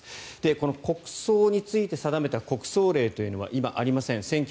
この国葬について定めた国葬令というのは今、ありません。